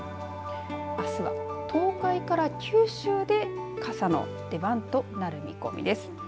あすは東海から九州で傘の出番となる見込みです。